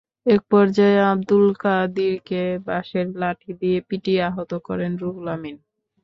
একপর্যায়ে আবদুল কাদিরকে বাঁশের লাঠি দিয়ে পিটিয়ে আহত করেন রুহুল আমীন।